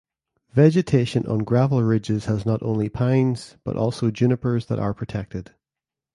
Vegetation on gravel ridges has not only pines but also junipers that are protected.